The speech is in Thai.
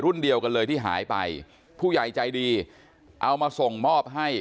เดียวกันเลยที่หายไปผู้ใหญ่ใจดีเอามาส่งมอบให้